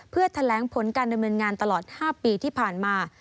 เพื่อแถลงผลการดำเนินงานตลอด๕ปีที่ผ่านมา